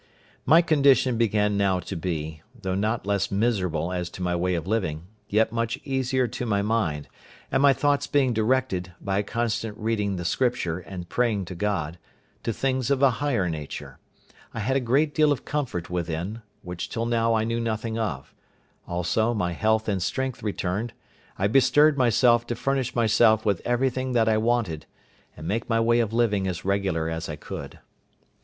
My condition began now to be, though not less miserable as to my way of living, yet much easier to my mind: and my thoughts being directed, by a constant reading the Scripture and praying to God, to things of a higher nature, I had a great deal of comfort within, which till now I knew nothing of; also, my health and strength returned, I bestirred myself to furnish myself with everything that I wanted, and make my way of living as regular as I could.